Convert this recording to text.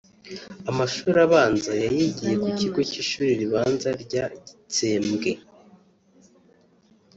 Amashuri abanza yayigiye ku kigo cy’ishuri ribanza rya Gitsembwe